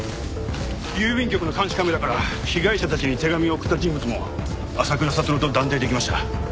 郵便局の監視カメラから被害者たちに手紙を送った人物も浅倉悟と断定できました。